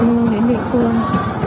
ubnd đến địa phương